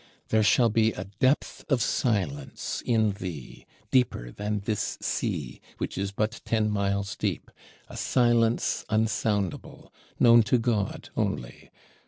There shall be a depth of Silence in thee, deeper than this Sea, which is but ten miles deep: a Silence unsoundable; known to God only.